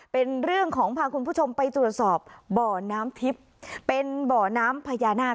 เป็นเรื่องของพาคุณผู้ชมไปตรวจสอบบ่อน้ำทิพย์เป็นบ่อน้ำพญานาค